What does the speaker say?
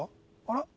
あら？